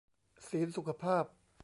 ศีลสุขภาพ